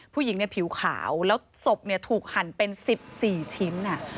ผู้หญิงผิวขาวแล้วศพถูกหั่นเป็น๑๔ชิ้น